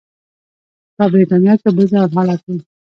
په برېټانیا کې بل ډول حالت و.